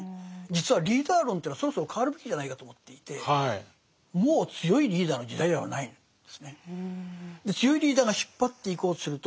実はリーダー論というのはそろそろ変わるべきじゃないかと思っていてもう強いリーダーの時代ではないんですね。